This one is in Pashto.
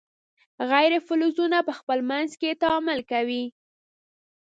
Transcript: غیر فلزونه په خپل منځ کې تعامل کوي.